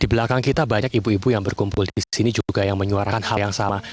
di belakang kita banyak ibu ibu yang berkumpul di sini juga yang menyuarakan hal yang sama